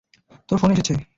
তোর ফোন এসেছে।